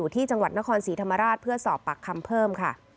ที่จังหวัดนครศรีธรรมราชเพื่อสอบปากคำเพิ่มค่ะ